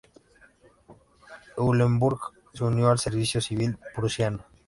Eulenburg se unió al servicio civil prusiano.